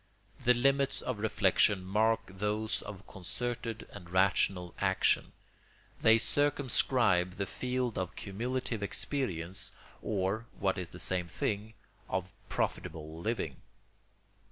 The limits of reflection mark those of concerted and rational action; they circumscribe the field of cumulative experience, or, what is the same thing, of profitable living.